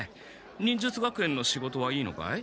忍術学園の仕事はいいのかい？